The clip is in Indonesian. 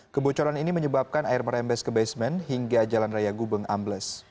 kebocoran ini menyebabkan air merembes ke basement hingga jalan raya gubeng ambles